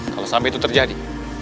kalau sampai itu terjadi